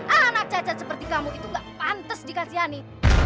anak cacat seperti kamu itu gak pantas dikasihani